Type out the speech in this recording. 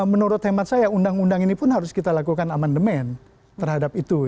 menurut hemat saya undang undang ini pun harus kita lakukan amandemen terhadap itu